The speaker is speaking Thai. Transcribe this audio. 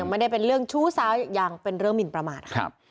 ยังไม่ได้เป็นเรื่องชู้ซ้ายังเป็นเรื่องหมินประมาท